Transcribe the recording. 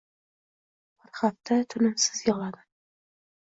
Bir hafta tinimsiz yig`ladim